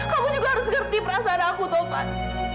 kamu juga harus ngerti perasaan aku taufan